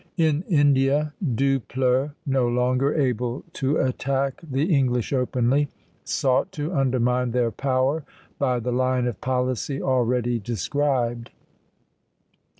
In India, Dupleix, no longer able to attack the English openly, sought to undermine their power by the line of policy already described.